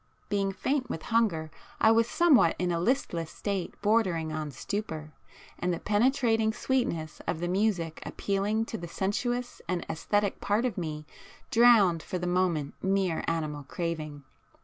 Being faint with hunger I was somewhat in a listless state bordering on stupor,—and the penetrating sweetness of the music appealing to the sensuous and æsthetic part of me, drowned for the moment mere animal craving.